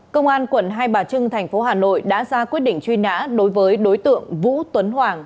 công an quận hai bà trưng thành phố hà nội đã ra quyết định truy nã đối với đối tượng vũ tuấn hoàng